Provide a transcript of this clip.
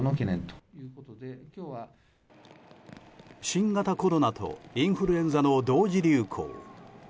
新型コロナとインフルエンザの同時流行。